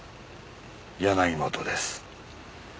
柳本です。